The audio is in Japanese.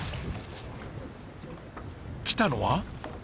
来たのは。